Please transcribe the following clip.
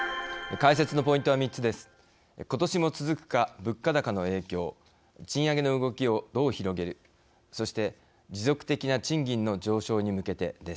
解説のポイントは３つです。